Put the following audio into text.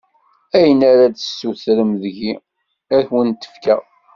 Ayen ara d-tessutrem deg-i, ad wen-t-fkeɣ.